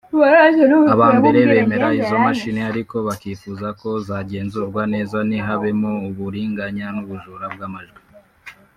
Aba mbere bemera izo mashini ariko bakifuza ko zagenzurwa neza ntihabemo uburiganya n’ubujura bw’amajwi